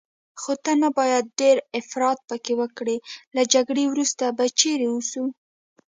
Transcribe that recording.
خو ته نه باید ډېر افراط پکې وکړې، له جګړې وروسته به چیرې اوسو؟